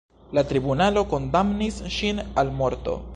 La tribunalo kondamnis ŝin al morto.